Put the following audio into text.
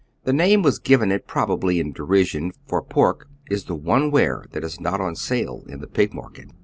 The name was given to it probably in derision, for pork is the one ware that is not on sale in the Pig market.